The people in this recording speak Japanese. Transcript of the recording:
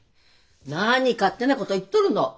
何勝手なこと言っとるの！